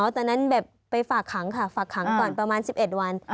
ตอนนั้นแบบไปฝากขังค่ะฝากขังก่อนประมาณ๑๑วัน